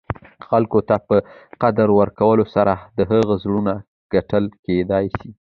خلګو ته په قدر ورکولو سره، د هغه زړونه ګټل کېداى سي.